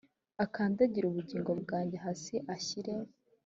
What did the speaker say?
Akandagirire ubugingo bwanjye hasi Ashyire